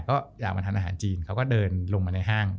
ก็อยากมาทานอาหารจีนเขาก็เดินลงมาในห้าง